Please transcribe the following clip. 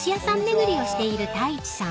巡りをしている太一さん］